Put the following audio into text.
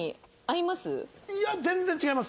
いや全然違います。